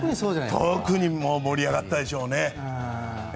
特に盛り上がったでしょうね。